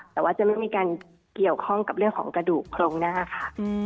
แต่ว่าจะไม่มีการเกี่ยวข้องกับเรื่องของกระดูกโครงหน้าค่ะ